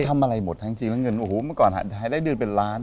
ทำอะไรหมดทั้งจริงแล้วเงินโอ้โหเมื่อก่อนหายได้เดือนเป็นล้าน